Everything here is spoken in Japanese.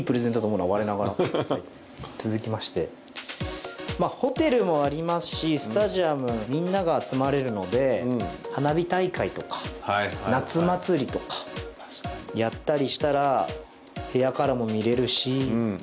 続きましてホテルもありますしスタジアムみんなが集まれるので花火大会とか夏祭りとかやったりしたら部屋からも見れるし。